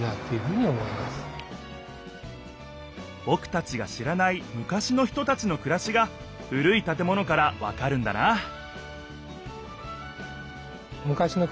ぼくたちが知らない昔の人たちのくらしが古い建物からわかるんだなあ